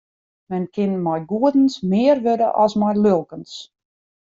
Men kin mei goedens mear wurde as mei lulkens.